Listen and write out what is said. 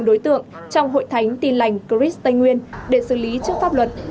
đối tượng trong hội thánh tin lành cris tây nguyên để xử lý trước pháp luật